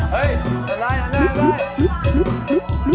เฮ่ยอย่าล่าย